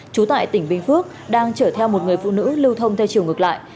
trú tại tỉnh bình phước đang chở theo một người phụ nữ lưu thông theo chiều ngược lại